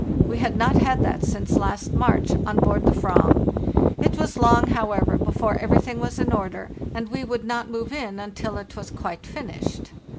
We had not had that since last March, on board the /ram. It was long, however, before everything was in order, and we would not move in until it was quite finished.